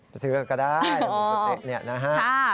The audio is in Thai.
ไปซื้อก็ได้หมูสะเต๊ะนี่นะฮะ